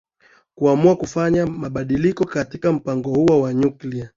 kuamua kufanya mabadiliko katika mpango huo wa nyuklia